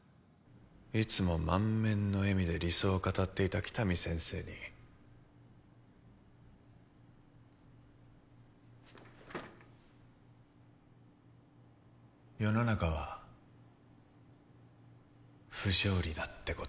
いつも満面の笑みで理想を語っていた喜多見先生に世の中は不条理だってこと